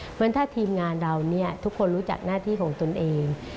เหมือนถ้าทีมงานเราทุกคนรู้จักหน้าที่ของตนเอง